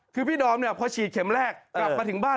ครึ่งพี่ดอมพอฉีดเข็มแรกกลับมาถึงบ้าน